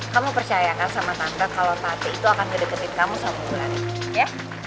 kamu percayakan sama tante kalau tante itu akan kedepetin kamu sama wulandar